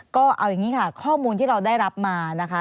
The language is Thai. ก็เอาอย่างนี้ค่ะข้อมูลที่เราได้รับมานะคะ